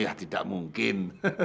ya tidak mungkin